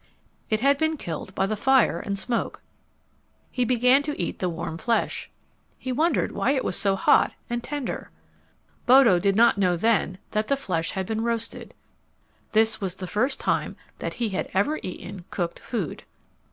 It had been killed by the fire and smoke. He began to eat the warm flesh. He wondered why it was so hot and tender. Bodo did not know then that the flesh had been roasted. This was the first time that he had ever eaten cooked food.